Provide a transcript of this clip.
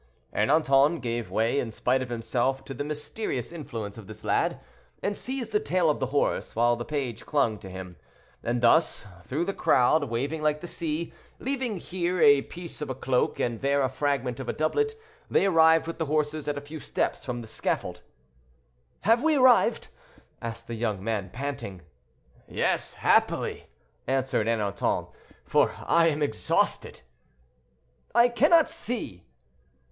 Ernanton gave way in spite of himself to the mysterious influence of this lad, and seized the tail of the horse, while the page clung to him. And thus, through the crowd, waving like the sea, leaving here a piece of a cloak, and there a fragment of a doublet, they arrived with the horses at a few steps from the scaffold. "Have we arrived?" asked the young man, panting. "Yes, happily!" answered Ernanton, "for I am exhausted." "I cannot see."